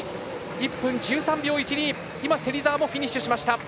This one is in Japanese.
１分１３秒１２今、芹澤もフィニッシュしました。